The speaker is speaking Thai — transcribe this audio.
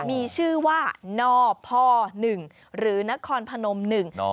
มีชื่อว่านพ๑หรือนครพนมหนึ่ง